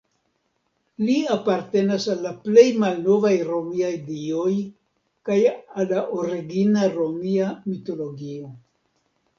Li apartenas al la plej malnovaj romiaj dioj kaj al la origina romia mitologio.